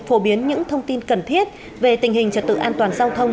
phổ biến những thông tin cần thiết về tình hình trật tự an toàn giao thông